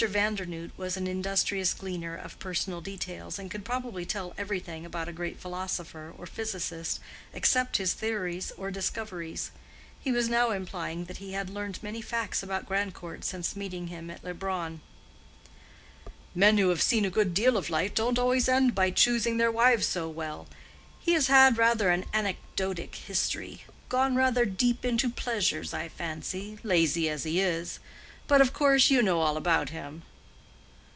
Vandernoodt was an industrious gleaner of personal details, and could probably tell everything about a great philosopher or physicist except his theories or discoveries; he was now implying that he had learned many facts about Grandcourt since meeting him at Leubronn. "Men who have seen a good deal of life don't always end by choosing their wives so well. He has had rather an anecdotic history—gone rather deep into pleasures, I fancy, lazy as he is. But, of course, you know all about him."